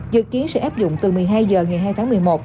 dự kiến sẽ áp dụng từ một mươi hai h ngày hai tháng một mươi một